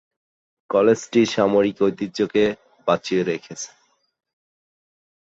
কলেজটি সামরিক ঐতিহ্যকে বাঁচিয়ে রেখেছে।